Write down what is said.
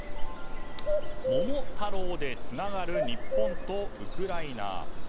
「桃太郎」でつながる日本とウクライナ。